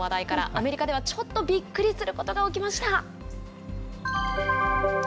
アメリカではちょっとびっくりすることが起きました。